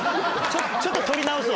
ちょっと撮り直すわ。